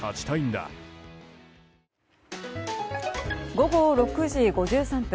午後６時５３分。